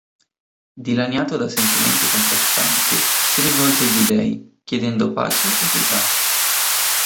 Dilaniato da sentimenti contrastanti, si rivolge agli dei, chiedendo pace e pietà.